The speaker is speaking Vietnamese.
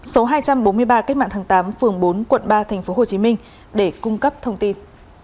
số hai trăm bốn mươi ba kết mạng tháng tám phường bốn quận ba tp hcm để cung cấp thông tin